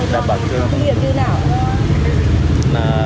đặc biệt như thế nào